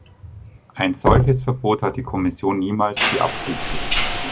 Ein solches Verbot hat die Kommission niemals beabsichtigt.